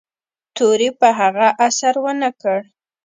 تورې په هغه اثر و نه کړ.